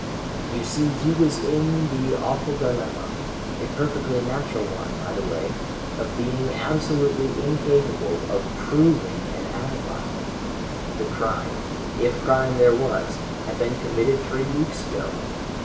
"You see he was in the awful dilemma a perfectly natural one, by the way of being absolutely incapable of proving an alibi. The crime if crime there was had been committed three weeks ago.